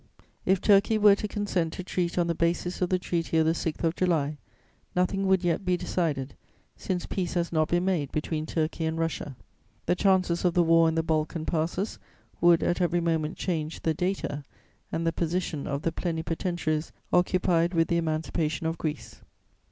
If Turkey were to consent to treat on the basis of the treaty of the 6th of July, nothing would yet be decided, since peace has not been made between Turkey and Russia; the chances of the war in the Balkan Passes would at every moment change the data and the position of the plenipotentiaries occupied with the emancipation of Greece.